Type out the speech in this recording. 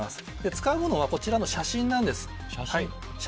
使うものはこちらの写真なんです。